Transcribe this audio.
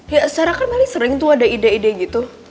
ya secara kan paling sering tuh ada ide ide gitu